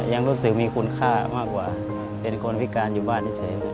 ยังรู้สึกมีคุณค่ามากกว่าเป็นคนพิการอยู่บ้านเฉย